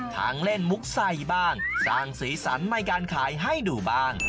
ทั้งเล่นมุกใส่บ้างสร้างสีสันในการขายให้ดูบ้าง